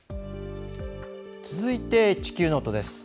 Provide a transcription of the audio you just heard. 続いて「地球ノート」です。